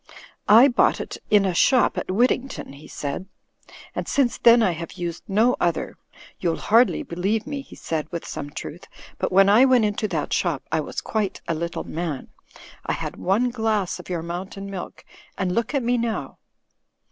"I bought it in a shop at Wyddington," he said, "and since then I have used no other. You'll hardly believe me," he said, with some truth, '*but when I went into that shop I was quite a little man. I had one glass of your Moimtain Milk; and look at me now."